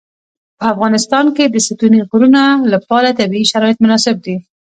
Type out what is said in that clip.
په افغانستان کې د ستوني غرونه لپاره طبیعي شرایط مناسب دي.